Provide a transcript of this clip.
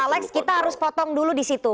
pak alex kita harus potong dulu disitu